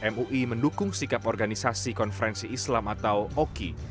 mui mendukung sikap organisasi konferensi islam atau oki